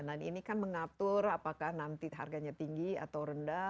dan ini kan mengatur apakah nanti harganya tinggi atau rendah